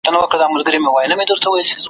دتوپان په دود خروښيږي `